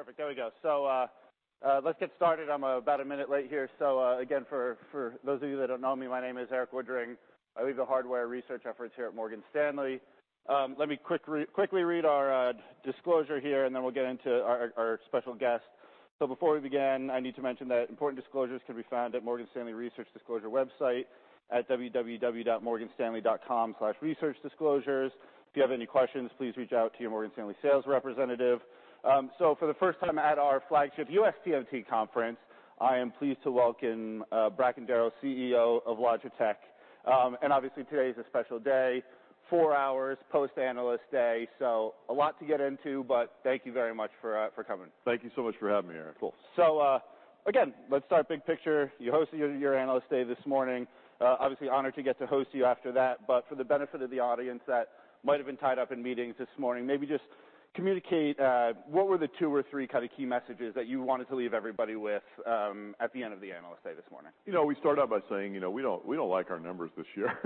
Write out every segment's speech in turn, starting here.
Perfect. There we go. Let's get started. I'm about a minute late here. Again, for those of you that don't know me, my name is Erik Woodring. I lead the hardware research efforts here at Morgan Stanley. Let me quickly read our disclosure here, and then we'll get into our special guest. Before we begin, I need to mention that important disclosures can be found at Morgan Stanley Research Disclosures website at www.morganstanley.com/researchdisclosures. If you have any questions, please reach out to your Morgan Stanley sales representative. For the first time at our flagship U.S. TMT conference, I am pleased to welcome Bracken Darrell, CEO of Logitech. And obviously, today is a special day, four hours post Analyst Day, so a lot to get into, but thank you very much for coming. Thank you so much for having me, Erik. Cool. Again, let's start big picture. You hosted your Analyst Day this morning. Obviously honored to get to host you after that, but for the benefit of the audience that might have been tied up in meetings this morning, maybe just communicate, what were the two or three kind of key messages that you wanted to leave everybody with, at the end of the Analyst Day this morning? You know, we start out by saying, you know, we don't like our numbers this year.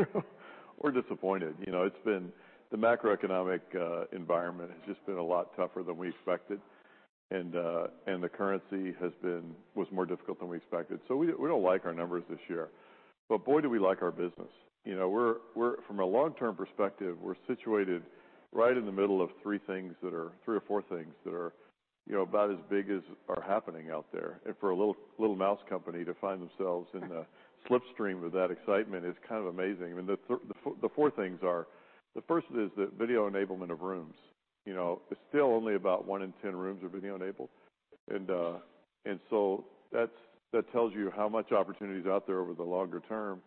We're disappointed. You know, the macroeconomic environment has just been a lot tougher than we expected. The currency was more difficult than we expected. We don't like our numbers this year, but boy, do we like our business. You know, we're from a long-term perspective, we're situated right in the middle of three or four things that are, you know, about as big as are happening out there. For a little mouse company to find themselves in the slipstream of that excitement is kind of amazing. I mean, the four things are, the first is the video enablement of rooms. You know, it's still only about one in 10 rooms are video enabled. That tells you how much opportunity is out there over the longer term.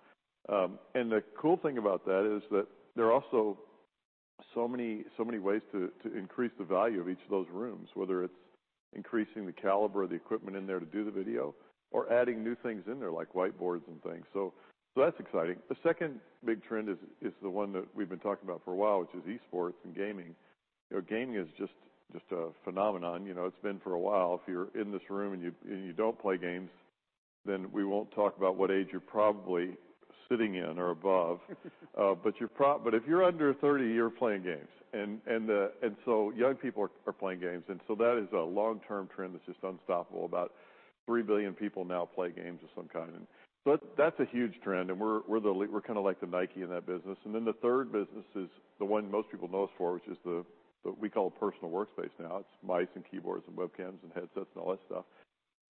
The cool thing about that is that there are also so many ways to increase the value of each of those rooms, whether it's increasing the caliber of the equipment in there to do the video or adding new things in there like whiteboards and things. That's exciting. The second big trend is the one that we've been talking about for a while, which is Esports and gaming. You know, gaming is just a phenomenon, you know, it's been for a while. If you're in this room and you don't play games, then we won't talk about what age you're probably sitting in or above. But if you're under 30, you're playing games. Young people are playing games. That is a long-term trend that's just unstoppable. About three billion people now play games of some kind. That's a huge trend, and we're kinda like the Nike in that business. The third business is the one most people know us for, which is the we call Personal Workspace now. It's mice and keyboards and webcams and headsets and all that stuff.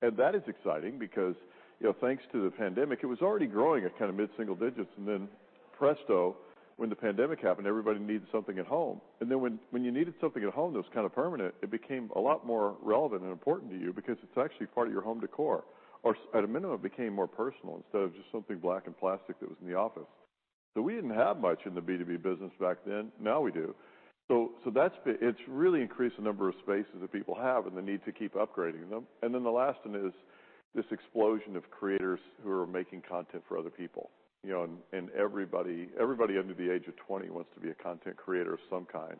That is exciting because, you know, thanks to the pandemic, it was already growing at kinda mid-single digits, Presto, when the pandemic happened, everybody needed something at home. Then when you needed something at home that was kinda permanent, it became a lot more relevant and important to you because it's actually part of your home decor, or at a minimum, became more personal instead of just something black and plastic that was in the office. We didn't have much in the B2B business back then. Now we do. It's really increased the number of spaces that people have and the need to keep upgrading them. Then the last one is this explosion of creators who are making content for other people. You know, and everybody under the age of 20 wants to be a content creator of some kind,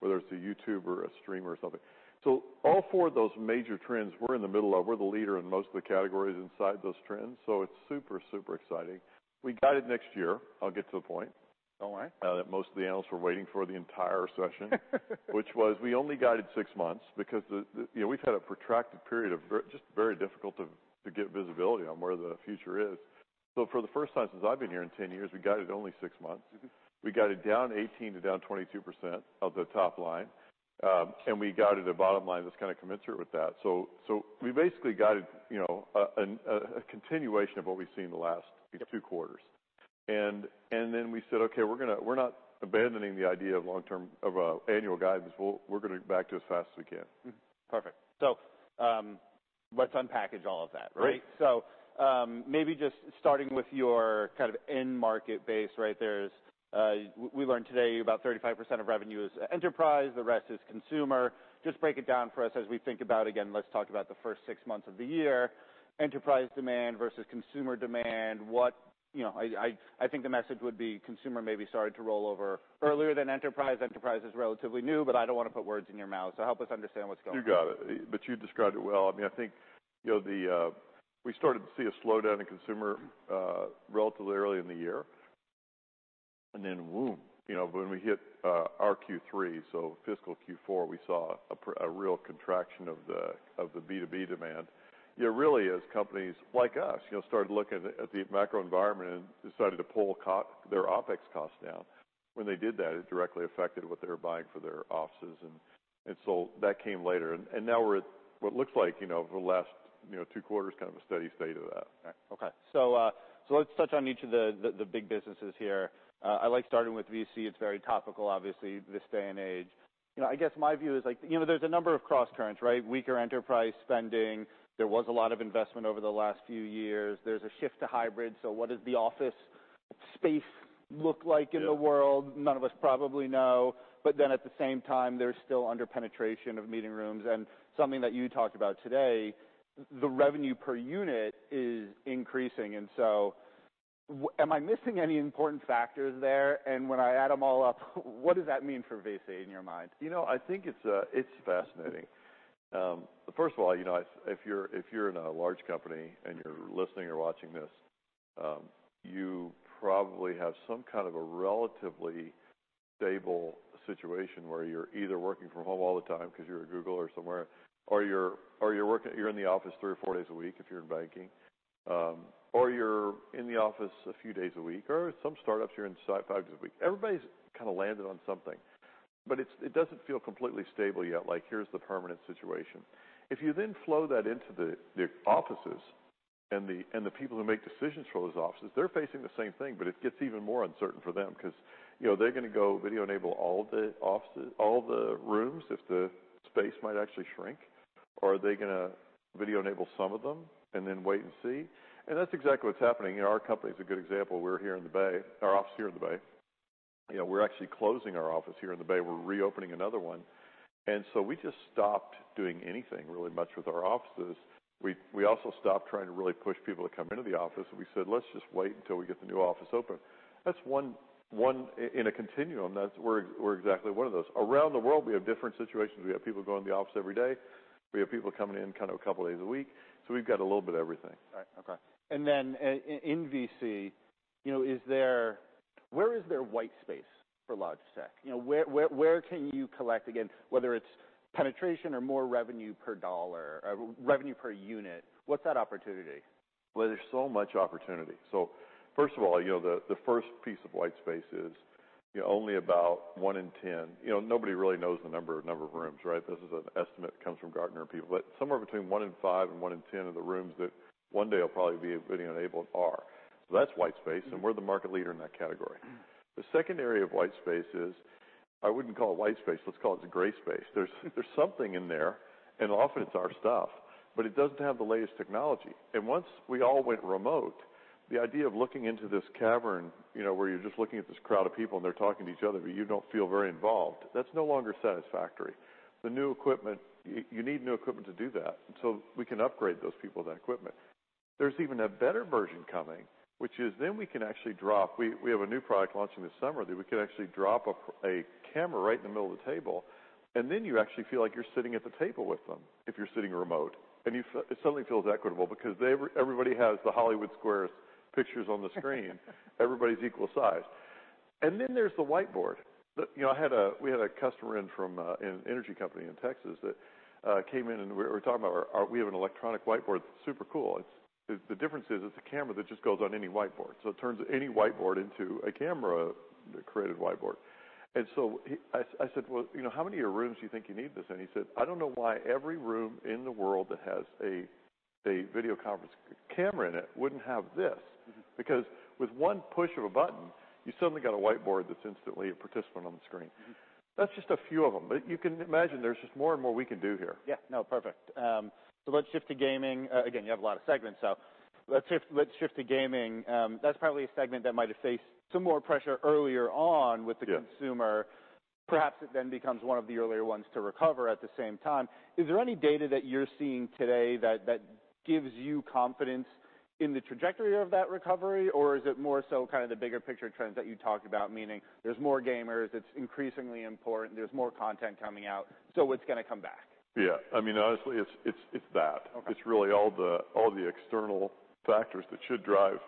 whether it's a YouTuber, a streamer, or something. All four of those major trends we're in the middle of. We're the leader in most of the categories inside those trends. It's super exciting. We guided next year. I'll get to the point. All right. That most of the analysts were waiting for the entire session. We only guided six months because you know, we've had a protracted period of just very difficult to get visibility on where the future is. For the first time since I've been here in 10 years, we guided only six months. Mm-hmm. We guided down 18% to down 22% of the top line. We guided a bottom line that's kinda commensurate with that. We basically guided, you know, a continuation of what we've seen the last- Yep two quarters. We said, "Okay, we're not abandoning the idea of long-term annual guidance. We'll get back to it as fast as we can. Mm-hmm. Perfect. Let's unpackage all of that, right? Great. Maybe just starting with your kind of end market base, right? There's, we learned today about 35% of revenue is enterprise, the rest is consumer. Just break it down for us as we think about, again, let's talk about the first six months of the year, enterprise demand versus consumer demand. You know, I think the message would be consumer maybe started to roll over earlier than enterprise. Enterprise is relatively new, but I don't wanna put words in your mouth, so help us understand what's going on. You got it. You described it well. I mean, I think, you know, the. We started to see a slowdown in consumer, relatively early in the year. Then, whoom, you know, when we hit our Q3, so fiscal Q4, we saw a real contraction of the B2B demand. You know, really, as companies like us, you know, started looking at the macro environment and decided to pull their OpEx costs down. When they did that, it directly affected what they were buying for their offices and so that came later. Now we're at what looks like, you know, over the last, you know, two quarters, kind of a steady state of that. Okay. Let's touch on each of the big businesses here. I like starting with VC. It's very topical, obviously, this day and age. You know, I guess my view is like, you know, there's a number of crosscurrents, right? Weaker enterprise spending. There was a lot of investment over the last few years. There's a shift to hybrid, so what does the office space look like in the world? Yeah. None of us probably know. At the same time, there's still under-penetration of meeting rooms. Something that you talked about today, the revenue per unit is increasing. Am I missing any important factors there? When I add them all up, what does that mean for VC in your mind? You know, I think it's fascinating. First of all, you know, if you're in a large company and you're listening or watching this, you probably have some kind of a relatively stable situation where you're either working from home all the time because you're at Google or somewhere, or you're working in the office three or four days a week if you're in banking. You're in the office a few days a week, or some startups you're in site five days a week. Everybody's kinda landed on something. It doesn't feel completely stable yet, like here's the permanent situation. If you then flow that into the offices and the people who make decisions for those offices, they're facing the same thing, but it gets even more uncertain for them. 'Cause, you know, they're gonna go video enable all the offices, all the rooms if the space might actually shrink. Are they gonna video enable some of them, and then wait and see? That's exactly what's happening. You know, our company's a good example. We're here in the Bay. Our office is here in the Bay. You know, we're actually closing our office here in the Bay. We're reopening another one. We just stopped doing anything really much with our offices. We also stopped trying to really push people to come into the office, and we said, "Let's just wait until we get the new office open." That's one in a continuum. That's exactly one of those. Around the world, we have different situations. We have people go in the office every day. We have people coming in kind of a couple days a week. We've got a little bit of everything. Right. Okay. And then in VC, you know, where is there white space for Logitech? You know, where can you collect, again, whether it's penetration or more revenue per dollar or revenue per unit, what's that opportunity? There's so much opportunity. First of all, you know, the first piece of white space is, you know, ony about one in 10. You know, nobody really knows the number of rooms, right? This is an estimate that comes from Gartner and people. Somewhere between one in five and one in 10 of the rooms that one day will probably be video-enabled are. That's white space, and we're the market leader in that category. Mm. The second area of white space is, I wouldn't call it white space, let's call it gray space. There's something in there, and often it's our stuff, but it doesn't have the latest technology. Once we all went remote, the idea of looking into this cavern, you know, where you're just looking at this crowd of people and they're talking to each other, but you don't feel very involved, that's no longer satisfactory. The new equipment, you need new equipment to do that. We can upgrade those people with that equipment. There's even a better version coming, which is then we can actually drop. We have a new product launching this summer that we could actually drop a camera right in the middle of the table, and then you actually feel like you're sitting at the table with them if you're sitting remote. It suddenly feels equitable because everybody has the Hollywood Squares pictures on the screen. Everybody's equal size. There's the whiteboard. You know, we had a customer in from an energy company in Texas that came in and we were talking about our. We have an electronic whiteboard. It's super cool. The difference is it's a camera that just goes on any whiteboard, so it turns any whiteboard into a camera-created whiteboard. I said, "Well, you know, how many of your rooms do you think you need this in?" He said, "I don't know why every room in the world that has a video conference camera in it wouldn't have this. Mm-hmm. With one push of a button, you suddenly got a whiteboard that's instantly a participant on the screen. Mm-hmm. That's just a few of them. You can imagine there's just more and more we can do here. Yeah. No, perfect. Let's shift to gaming. Again, you have a lot of segments, so let's shift to gaming. That's probably a segment that might have faced some more pressure earlier on. Yeah consumer. Perhaps it then becomes one of the earlier ones to recover at the same time. Is there any data that you're seeing today that gives you confidence in the trajectory of that recovery, or is it more so kinda the bigger picture trends that you talked about, meaning there's more gamers, it's increasingly important, there's more content coming out, so it's gonna come back? I mean, honestly, it's that. Okay. It's really all the, all the external factors that should drive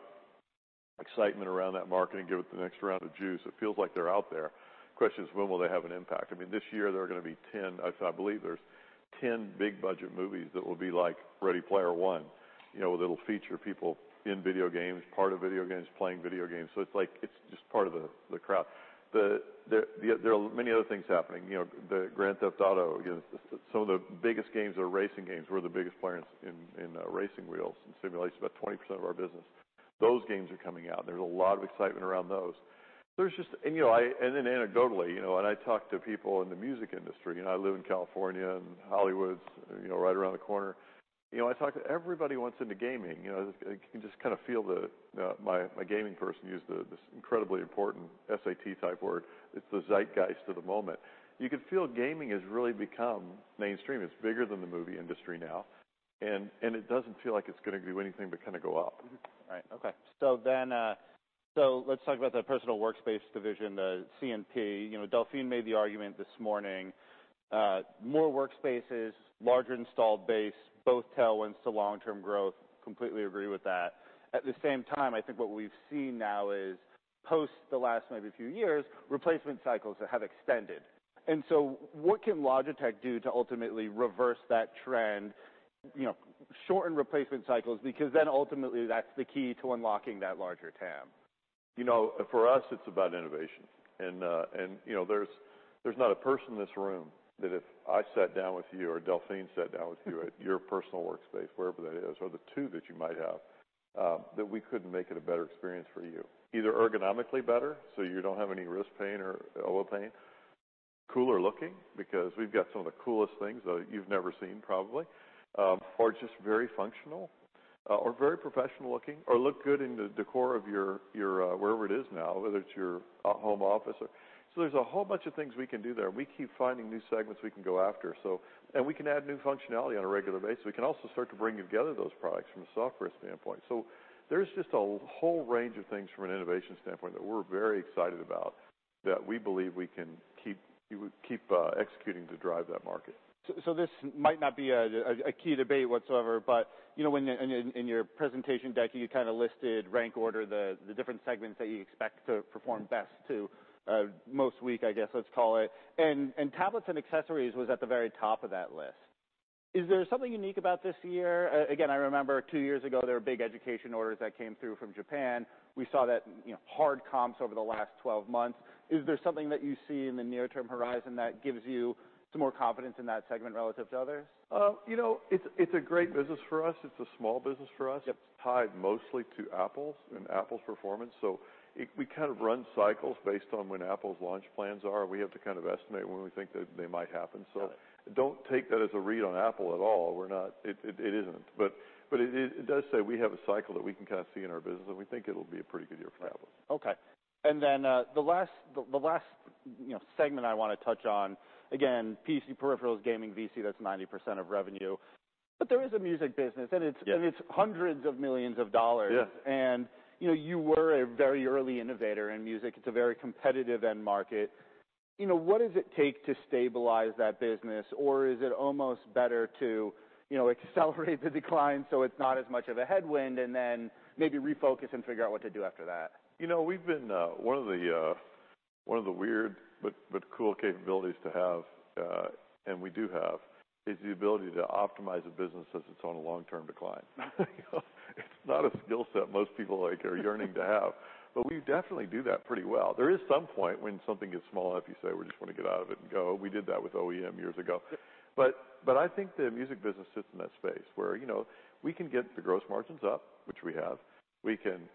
excitement around that market and give it the next round of juice. It feels like they're out there. Question is, when will they have an impact? I mean, this year there are gonna be 10 big budget movies that will be like Ready Player One. You know, that'll feature people in video games, part of video games, playing video games. It's like it's just part of the crop. There are many other things happening. You know, the Grand Theft Auto. You know, some of the biggest games are racing games. We're the biggest player in racing wheels and simulators. About 20% of our business. Those games are coming out, there's a lot of excitement around those. There's just. You know. And then anecdotally, you know, and I talk to people in the music industry, and I live in California, and Hollywood's, you know, right around the corner. You know, you can just kinda feel. My gaming person used this incredibly important SAT-type word. It's the zeitgeist of the moment. You can feel gaming has really become mainstream. It's bigger than the movie industry now. It doesn't feel like it's gonna do anything but kinda go up. Mm-hmm. Right. Okay. Let's talk about the Personal Workspace division, the PWS. You know, Delphine made the argument this morning, more workspaces, larger installed base, both tailwinds to long-term growth. Completely agree with that. At the same time, I think what we've seen now is post the last maybe few years, replacement cycles have extended. What can Logitech do to ultimately reverse that trend? You know, shorten replacement cycles, because then ultimately that's the key to unlocking that larger TAM. You know, for us, it's about innovation. You know, there's not a person in this room that if I sat down with you or Delphine sat down with you at your Personal Workspace, wherever that is, or the two that you might have, that we couldn't make it a better experience for you. Either ergonomically better, so you don't have any wrist pain or elbow pain. Cooler looking, because we've got some of the coolest things, you've never seen probably. Or just very functional, or very professional looking, or look good in the decor of your wherever it is now, whether it's your home office or. There's a whole bunch of things we can do there. We keep finding new segments we can go after. We can add new functionality on a regular basis. We can also start to bring together those products from a software standpoint. There's just a whole range of things from an innovation standpoint that we're very excited about, that we believe we would keep executing to drive that market. This might not be a key debate whatsoever, but you know, when in your presentation deck, you kinda listed rank order the different segments that you expect to perform best to most weak, I guess let's call it. Tablets and accessories was at the very top of that list. Is there something unique about this year? Again, I remember two years ago, there were big education orders that came through from Japan. We saw that, you know, hard comps over the last 12 months. Is there something that you see in the near-term horizon that gives you some more confidence in that segment relative to others? You know, it's a great business for us. It's a small business for us. Yep. It's tied mostly to Apple and Apple's performance. We kind of run cycles based on when Apple's launch plans are. We have to kind of estimate when we think that they might happen. Got it. Don't take that as a read on Apple at all. We're not. It isn't. It does say we have a cycle that we can kind of see in our business, and we think it'll be a pretty good year for Apple. Okay. Then, the last, you know, segment I wanna touch on, again, PC peripherals, gaming, VC, that's 90% of revenue. There is a music business. Yes and it's hundreds of millions of dollars. Yeah. You know, you were a very early innovator in music. It's a very competitive end market. You know, what does it take to stabilize that business? Or is it almost better to, you know, accelerate the decline so it's not as much of a headwind, and then maybe refocus and figure out what to do after that? You know, we've been, one of the weird but cool capabilities to have, and we do have, is the ability to optimize a business as it's on a long-term decline. You know? It's not a skill set most people, like, are yearning to have, but we definitely do that pretty well. There is some point when something gets small enough, you say, "We just wanna get out of it and go." We did that with OEM years ago. Yeah. I think the music business sits in that space, where, you know, we can get the gross margins up, which we have. We can,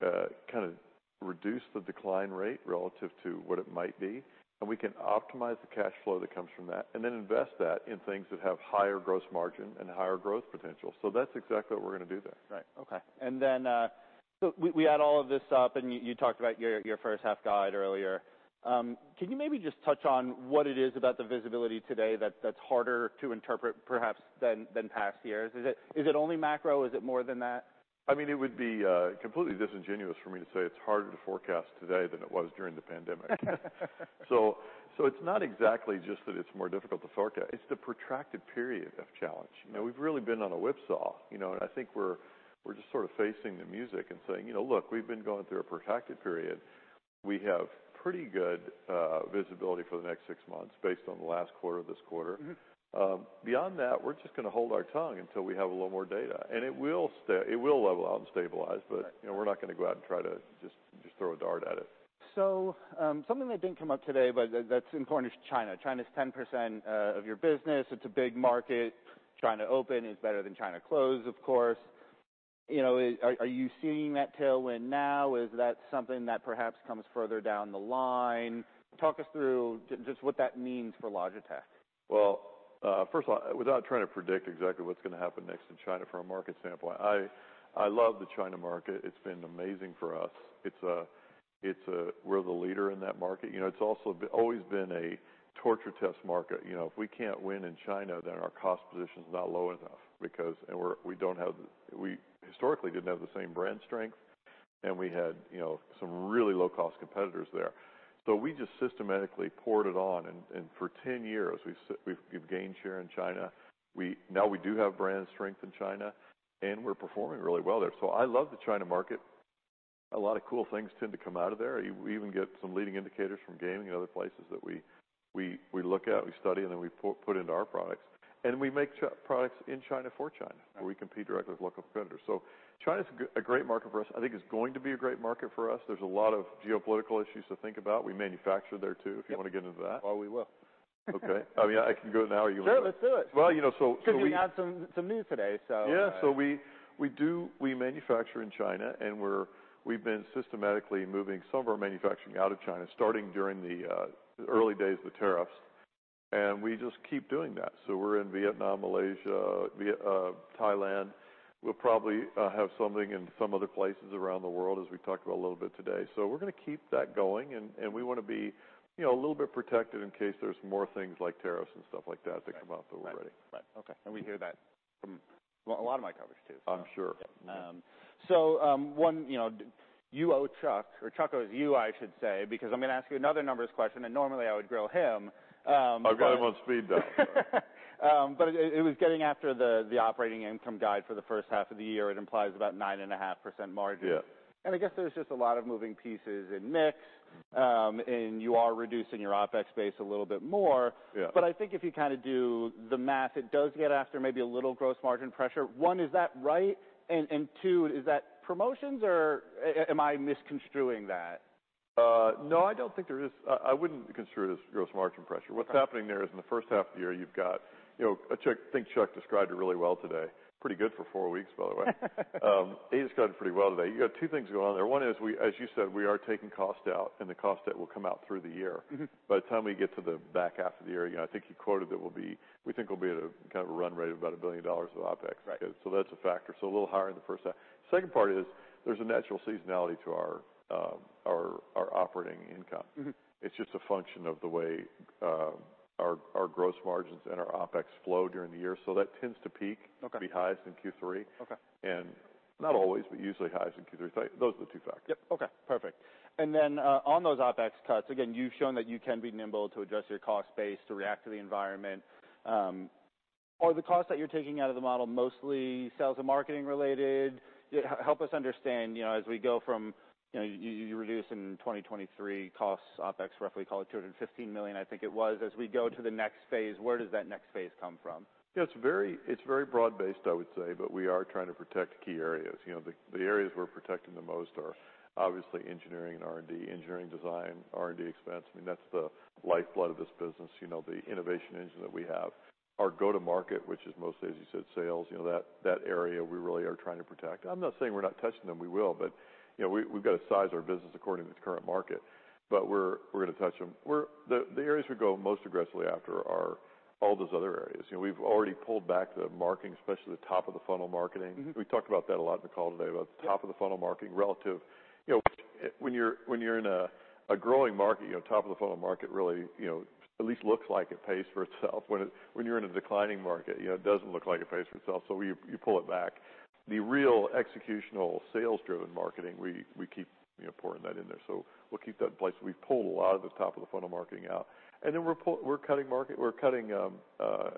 kinda reduce the decline rate relative to what it might be, and we can optimize the cash flow that comes from that, and then invest that in things that have higher gross margin and higher growth potential. That's exactly what we're gonna do there. Right. Okay. We add all of this up, and you talked about your first half guide earlier. Can you maybe just touch on what it is about the visibility today that's harder to interpret perhaps than past years? Is it only macro? Is it more than that? I mean, it would be completely disingenuous for me to say it's harder to forecast today than it was during the pandemic. It's not exactly just that it's more difficult to forecast. It's the protracted period of challenge. Yeah. You know, we've really been on a whipsaw, you know, and I think we're just sort of facing the music and saying, "You know, look, we've been going through a protracted period." We have pretty good visibility for the next six months based on the last quarter, this quarter. Mm-hmm. beyond that, we're just gonna hold our tongue until we have a little more data. it will level out and stabilize. Right but, you know, we're not gonna go out and try to just throw a dart at it. Something that didn't come up today, but that's important is China. China's 10% of your business. It's a big market. China open is better than China closed, of course. You know, are you seeing that tailwind now? Is that something that perhaps comes further down the line? Talk us through just what that means for Logitech. Well, first of all, without trying to predict exactly what's gonna happen next in China from a market standpoint, I love the China market. It's been amazing for us. It's a, we're the leader in that market. You know, it's also always been a torture test market. You know, if we can't win in China, then our cost position's not low enough because we don't have the, we historically didn't have the same brand strength, and we had, you know, some really low-cost competitors there. We just systematically poured it on, and for 10 years we've gained share in China. Now we do have brand strength in China, and we're performing really well there. I love the China market. A lot of cool things tend to come out of there. We even get some leading indicators from gaming and other places that we look at, we study, and then we put into our products. We make products in China for China. Right where we compete directly with local competitors. China's a great market for us. I think it's going to be a great market for us. There's a lot of geopolitical issues to think about. We manufacture there too, if you wanna get into that. Well, we will. Okay. I mean, I can go now or you want me-? Sure, let's do it. Well, you know. We had some news today, so. Yeah. We do manufacture in China, and we've been systematically moving some of our manufacturing out of China, starting during the early days of the tariffs, and we just keep doing that. We're in Vietnam, Malaysia, Thailand. We'll probably have something in some other places around the world as we talked about a little bit today. We're gonna keep that going and we wanna be, you know, a little bit protected in case there's more things like tariffs and stuff like that that come up that we're ready. Right. Right. Okay. We hear that from a lot of my coverage too. I'm sure. Yeah. One, you know, you owe Chuck, or Chuck owes you, I should say, because I'm gonna ask you another numbers question, and normally I would grill him. I probably won't speed dial Chuck. It was getting after the operating income guide for the first half of the year. It implies about 9.5% margin. Yeah. I guess there's just a lot of moving pieces in mix, and you are reducing your OpEx base a little bit more. Yeah. I think if you kinda do the math, it does get after maybe a little gross margin pressure. One, is that right? Two, is that promotions or am I misconstruing that? No, I don't think there is. I wouldn't construe this gross margin pressure. Okay. What's happening there is in the first half of the year, you've got, you know, I think Chuck described it really well today. Pretty good for four weeks, by the way. He described it pretty well today. You got two things going on there. One is we, as you said, we are taking cost out, and the cost that will come out through the year. Mm-hmm. By the time we get to the back half of the year, you know, I think he quoted it will be, we think we'll be at a kind of a run rate of about $1 billion of OpEx. Right. That's a factor. A little higher in the first half. Second part is, there's a natural seasonality to our operating income. Mm-hmm. It's just a function of the way, our gross margins and our OpEx flow during the year. That tends to peak. Okay be highest in Q3. Okay. Not always, but usually highest in Q3. Those are the two factors. Yep. Okay, perfect. On those OpEx cuts, again, you've shown that you can be nimble to adjust your cost base to react to the environment. Are the costs that you're taking out of the model mostly sales and marketing related? Yeah, help us understand, you know, as we go from, you know, you reducing 2023 costs, OpEx, roughly call it $215 million, I think it was. As we go to the next phase, where does that next phase come from? Yeah, it's very broad-based, I would say, but we are trying to protect key areas. You know, the areas we're protecting the most are obviously engineering and R&D, engineering design, R&D expense. I mean, that's the lifeblood of this business, you know, the innovation engine that we have. Our go-to market, which is mostly, as you said, sales, you know, that area we really are trying to protect. I'm not saying we're not touching them, we will, but, you know, we've got to size our business according to its current market. We're gonna touch them. The areas we go most aggressively after are all those other areas. You know, we've already pulled back the marketing, especially the top of the funnel marketing. Mm-hmm. We talked about that a lot in the call today. Yeah top of the funnel marketing relative. You know, when you're, when you're in a growing market, you know, top of the funnel market really, you know, at least looks like it pays for itself. When you're in a declining market, you know, it doesn't look like it pays for itself, we, you pull it back. The real executional sales driven marketing, we keep, you know, pouring that in there. We'll keep that in place. We've pulled a lot of this top of the funnel marketing out, then we're cutting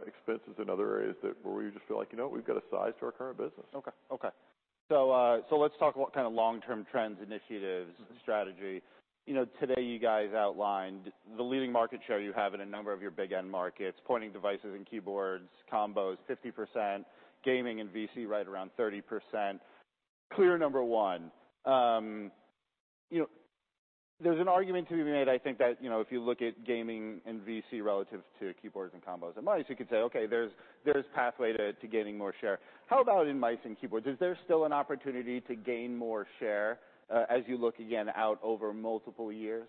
expenses in other areas that, where we just feel like, you know what, we've got to size to our current business. Okay. Okay. Let's talk what kind of long-term trends, initiatives, strategy. You know, today you guys outlined the leading market share you have in a number of your big end markets, pointing devices and keyboards, combos, 50%, gaming and VC, right around 30%. Clear number one. You know, there's an argument to be made, I think, that, you know, if you look at gaming and VC relative to keyboards and combos and mice, you could say, okay, there's pathway to gaining more share. How about in mice and keyboards? Is there still an opportunity to gain more share as you look again out over multiple years?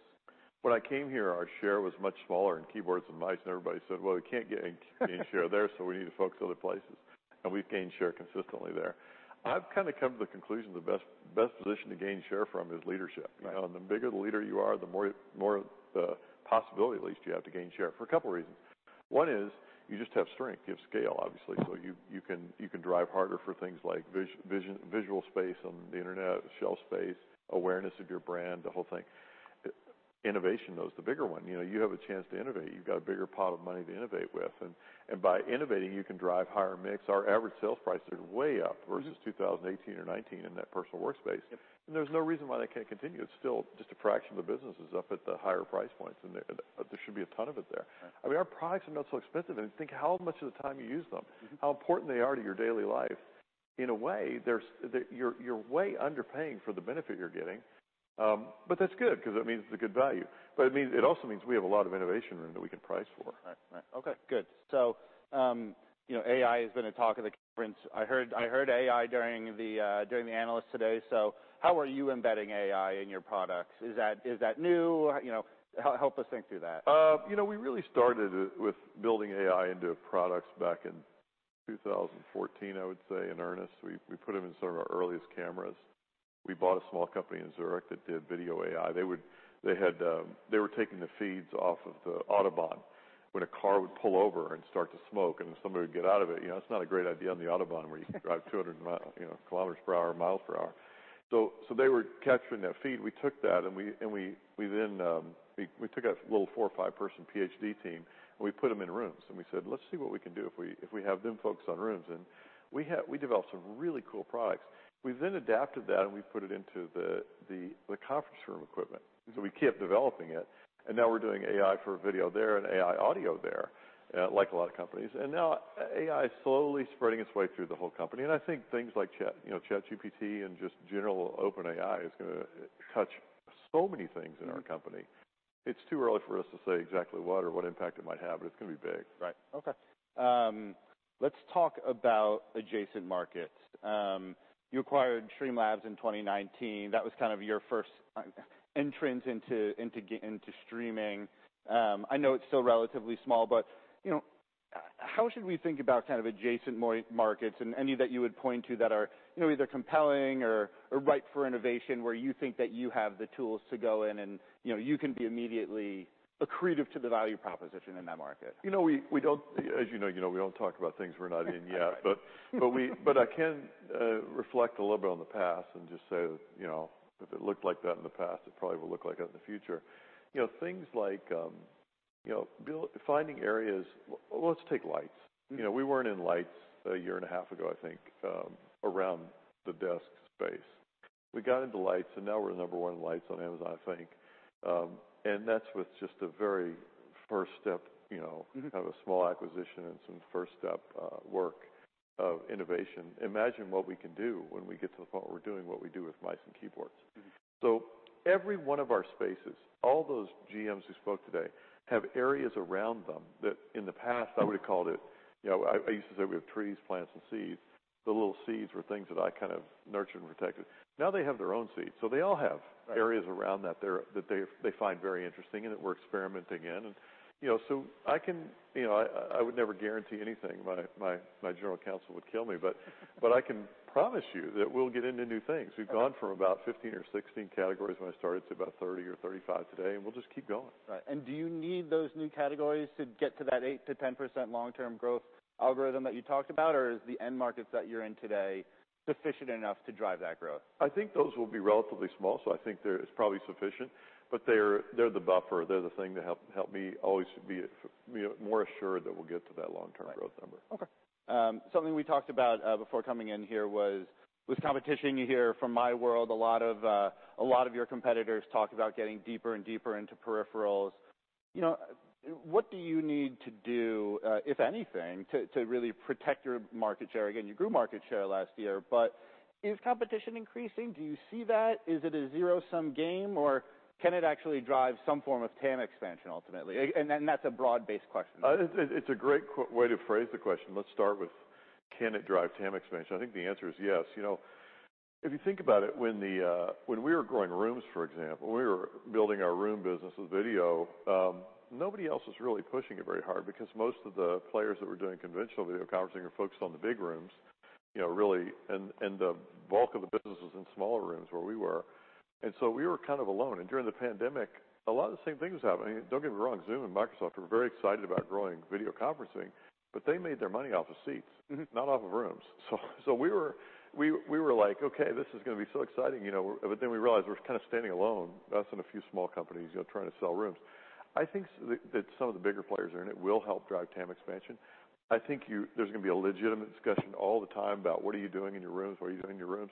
When I came here, our share was much smaller in keyboards than mice. Everybody said, "Well, we can't gain share there." "We need to focus other places." We've gained share consistently there. I've kind of come to the conclusion the best position to gain share from is leadership. Right. You know, and the bigger the leader you are, the more the possibility at least you have to gain share for a couple reasons. One is you just have strength, you have scale obviously, so you can, you can drive harder for things like vision, visual space on the internet, shelf space, awareness of your brand, the whole thing. Innovation though is the bigger one. You know, you have a chance to innovate. You've got a bigger pot of money to innovate with, and by innovating you can drive higher mix. Our average sales price are way up versus 2018 or 2019 in that Personal Workspace. Yep. There's no reason why that can't continue. It's still just a fraction of the business is up at the higher price points, and there should be a ton of it there. Right. I mean, our products are not so expensive, and think how much of the time you use them. Mm-hmm. How important they are to your daily life. In a way, there's, you're way underpaying for the benefit you're getting. That's good 'cause it means it's a good value. It also means we have a lot of innovation room that we can price for. Right. Right. Okay, good. You know, AI has been a talk of the conference. I heard AI during the during the analyst today. How are you embedding AI in your products? Is that new? You know, help us think through that. You know, we really started it with building AI into products back in 2014, I would say, in earnest. We put them in some of our earliest cameras. We bought a small company in Zurich that did video AI. They would, they had, they were taking the feeds off of the Autobahn when a car would pull over and start to smoke, and somebody would get out of it. You know, it's not a great idea on the Autobahn where you can drive 200 mile, you know, kilometers per hour or miles per hour. They were capturing that feed. We took that, and we then, we took a little four or five person PhD team, and we put them in rooms and we said, "Let's see what we can do if we have them focus on rooms." We developed some really cool products. We then adapted that, and we put it into the conference room equipment. Mm-hmm. We kept developing it, and now we're doing AI for video there and AI audio there, like a lot of companies. Now AI is slowly spreading its way through the whole company. I think things like Chat, you know, ChatGPT and just general OpenAI is gonna touch so many things in our company. It's too early for us to say exactly what or what impact it might have, but it's gonna be big. Right. Okay. Let's talk about adjacent markets. You acquired Streamlabs in 2019. That was kind of your first entrance into streaming. I know it's still relatively small, but, you know, how should we think about kind of adjacent markets and any that you would point to that are, you know, either compelling or ripe for innovation, where you think that you have the tools to go in and, you know, you can be immediately accretive to the value proposition in that market? You know, we don't, as you know, we don't talk about things we're not in yet. Right. I can reflect a little bit on the past and just say that, you know, if it looked like that in the past, it probably will look like that in the future. You know, things like, you know, finding areas. Let's take lights. Mm-hmm. You know, we weren't in lights a year and a half ago, I think, around the desk space. We got into lights. Now we're number one in lights on Amazon, I think. That's with just a very first step, you know. Mm-hmm kind of a small acquisition and some first step, work of innovation. Imagine what we can do when we get to the point where we're doing what we do with mice and keyboards. Mm-hmm. Every one of our spaces, all those GMs who spoke today, have areas around them that in the past I would've called it, you know, I used to say we have trees, plants, and seeds. The little seeds were things that I kind of nurtured and protected. Now they have their own seeds. They all have- Right areas around that they find very interesting and that we're experimenting in. you know, so I can, you know, I would never guarantee anything. My general counsel would kill me. I can promise you that we'll get into new things. Right. We've gone from about 15 or 16 categories when I started to about 30 or 35 today, and we'll just keep going. Right. Do you need those new categories to get to that 8% to 10% long-term growth algorithm that you talked about, or is the end markets that you're in today sufficient enough to drive that growth? I think those will be relatively small, so I think they're, it's probably sufficient. They're the buffer, they're the thing to help me always be more assured that we'll get to that long-term growth number. Right. Okay. Something we talked about before coming in here was, with competition you hear from my world, a lot of a lot of your competitors talk about getting deeper and deeper into peripherals. You know, what do you need to do, if anything, to really protect your market share? Again, you grew market share last year, but is competition increasing? Do you see that? Is it a zero-sum game, or can it actually drive some form of TAM expansion ultimately? Then that's a broad-based question. It's a great way to phrase the question. Let's start with can it drive TAM expansion? I think the answer is yes. You know, if you think about it, when we were growing rooms, for example, when we were building our room business with video, nobody else was really pushing it very hard because most of the players that were doing conventional video conferencing are focused on the big rooms, you know, really. The bulk of the business is in smaller rooms, where we were. We were kind of alone. During the pandemic, a lot of the same things was happening. Don't get me wrong, Zoom and Microsoft were very excited about growing video conferencing, but they made their money off of seats- Mm-hmm not off of rooms. We were like, "Okay, this is gonna be so exciting," you know? We realized we're kind of standing alone, us and a few small companies, you know, trying to sell rooms. I think that some of the bigger players are in it will help drive TAM expansion. I think there's gonna be a legitimate discussion all the time about what are you doing in your rooms? What are you doing in your rooms?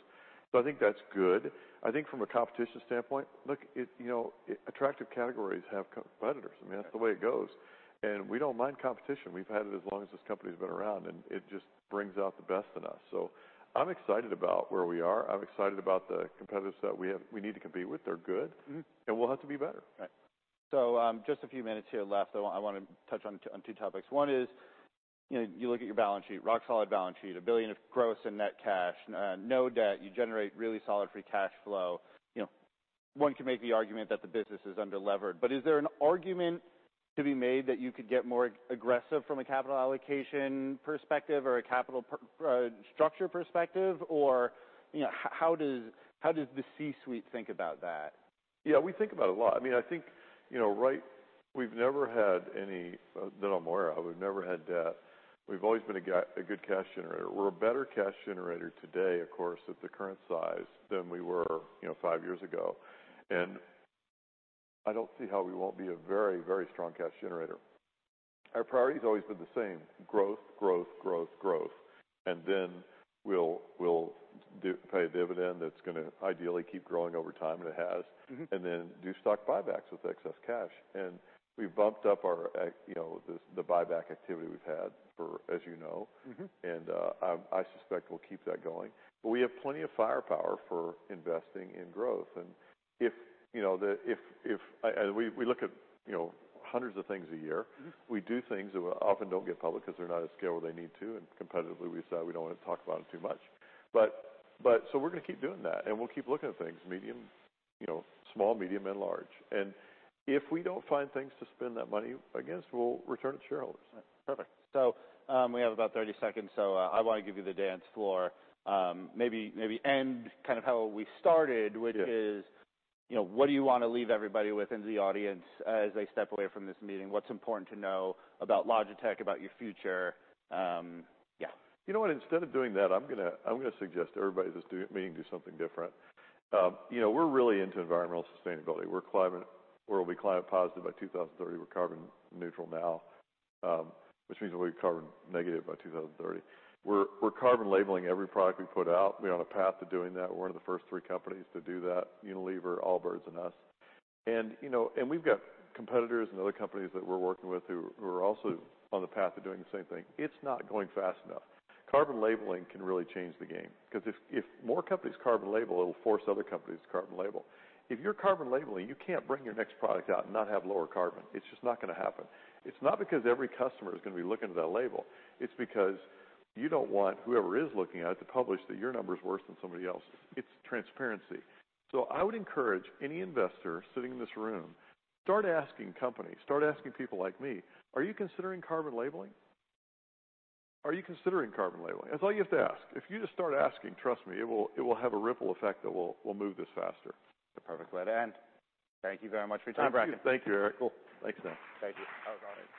I think that's good. I think from a competition standpoint, look, it, you know, attractive categories have competitors. I mean, that's the way it goes. We don't mind competition. We've had it as long as this company's been around, and it just brings out the best in us. I'm excited about where we are. I'm excited about the competitors that we have, we need to compete with. They're good. Mm-hmm. We'll have to be better. Right. Just a few minutes here left. I wanna touch on two topics. One is, you know, you look at your balance sheet, rock solid balance sheet, $1 billion of gross and net cash. No debt. You generate really solid free cash flow. You know, one can make the argument that the business is under-levered. Is there an argument to be made that you could get more aggressive from a capital allocation perspective or a capital structure perspective? You know, how does the C-suite think about that? Yeah, we think about it a lot. I mean, I think, you know, We've never had any, that I'm aware of, we've never had debt. We've always been a good cash generator. We're a better cash generator today, of course, at the current size than we were, you know, five years ago. I don't see how we won't be a very, very strong cash generator. Our priority's always been the same, growth, growth. We'll pay a dividend that's gonna ideally keep growing over time, and it has. Mm-hmm. Then do stock buybacks with excess cash. We've bumped up our, you know, the buyback activity we've had for as you know. Mm-hmm. I suspect we'll keep that going. We have plenty of firepower for investing in growth. If, you know, the, if we look at, you know, hundreds of things a year. Mm-hmm. We do things that often don't get public because they're not at scale where they need to, and competitively we decide we don't want to talk about them too much. We're gonna keep doing that, and we'll keep looking at things medium, you know, small, medium, and large. If we don't find things to spend that money, I guess we'll return it to shareholders. Perfect. We have about 30 seconds, so, I wanna give you the dance floor. Maybe end kind of how we started. Yeah which is, you know, what do you wanna leave everybody with in the audience as they step away from this meeting? What's important to know about Logitech, about your future? Yeah. You know what? Instead of doing that, I'm gonna suggest everybody that's doing meeting do something different. You know, we're really into environmental sustainability. We're climate, or we'll be climate positive by 2030. We're carbon neutral now, which means we'll be carbon negative by 2030. We're carbon labeling every product we put out. We're on a path to doing that. We're one of the first three companies to do that, Unilever, Allbirds, and us. You know, and we've got competitors and other companies that we're working with who are also on the path of doing the same thing. It's not going fast enough. Carbon labeling can really change the game, because if more companies carbon label, it'll force other companies to carbon label. If you're carbon labeling, you can't bring your next product out and not have lower carbon. It's just not gonna happen. It's not because every customer is gonna be looking at that label. It's because you don't want whoever is looking at it to publish that your number's worse than somebody else's. It's transparency. I would encourage any investor sitting in this room, start asking companies, start asking people like me, "Are you considering carbon labeling? Are you considering carbon labeling?" That's all you have to ask. If you just start asking, trust me, it will have a ripple effect that will move this faster. The perfect way to end. Thank you very much for your time, Bracken. Thank you, Erik. Cool. Thanks, man. Thank you. Have a good one.